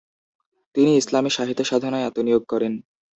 তিনি ইসলামি সাহিত্য-সাধনায় আত্মনিয়োগ করেন।